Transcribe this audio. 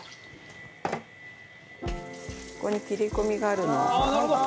ここに切り込みがあるので。